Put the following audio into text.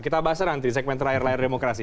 kita bahas nanti di segmen terakhir layar demokrasi